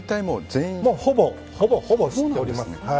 ほぼほぼ知っております。